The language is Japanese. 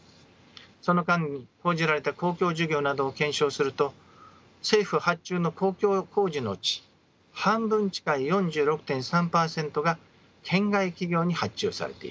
その間に投じられた公共事業などを検証すると政府発注の公共工事のうち半分近い４６．３％が県外企業に発注されています。